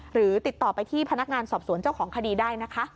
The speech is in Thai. หรือติดต่อไปที่พนักงานสอบสวนเจ้าของคดีได้นะคะ